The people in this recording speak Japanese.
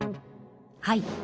はい。